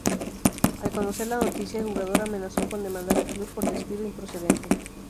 Al conocer la noticia el jugador amenazó con demandar al club por despido improcedente.